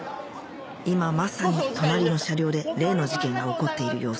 今まさに隣の車両で例の事件が起こっている様子